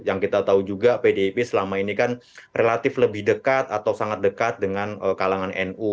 yang kita tahu juga pdip selama ini kan relatif lebih dekat atau sangat dekat dengan kalangan nu